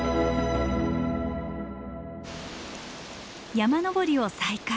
山登りを再開。